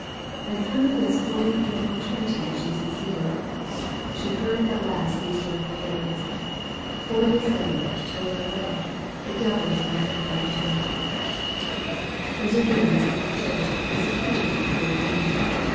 And through this holy importunity she succeeded. She heard at last these joyful words :" For this saying go thy way ; the devil is gone out of thy daughter I" Perseverance in prayer is a point of great moment.